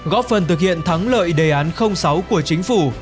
góp phần thực hiện thắng lợi đề án sáu của chính phủ